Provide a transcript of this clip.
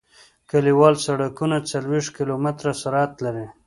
کلیوال سرکونه څلویښت کیلومتره سرعت لري